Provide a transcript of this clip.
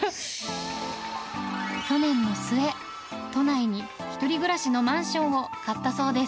去年の末、都内に１人暮らしのマンションを買ったそうです。